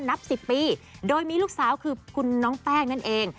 นับ๑๐ปีโดยมีลูกสาวคือคุณน้องแป้งนั่นเอง